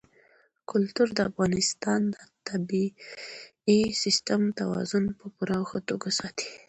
کلتور د افغانستان د طبعي سیسټم توازن په پوره او ښه توګه ساتي.